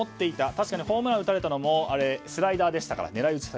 確かにホームランを打たれたのもスライダーでしたから狙い打ち。